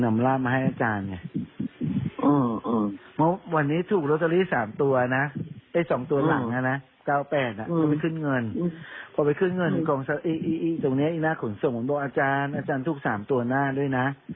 ในตัวอาจารย์ทุกสามตัวหน้าด้วยนะ